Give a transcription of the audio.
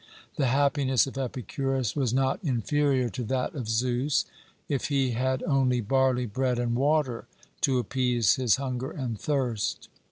The happiness of Epicurus was not inferior to that of Zeus, if he had only barley bread and water to appease his hunger and thirst.